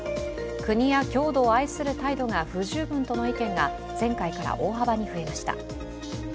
国や郷土を愛する態度が不十分との意見が前回から大幅に増えました。